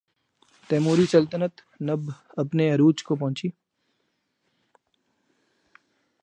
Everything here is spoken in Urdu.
تیموری سلطنت تب اپنے عروج کو پہنچی۔